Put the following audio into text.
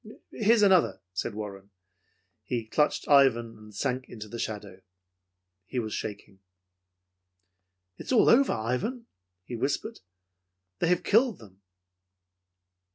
"Here's another," said Warren. He clutched Ivan and sunk into the shadow. He was shaking. "It is all over, Ivan," he whispered. "They have killed them."